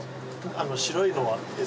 白いのは。